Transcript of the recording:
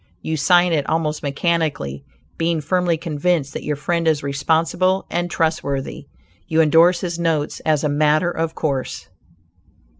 You sign it almost mechanically. Being firmly convinced that your friend is responsible and trustworthy; you indorse his notes as a "matter of course."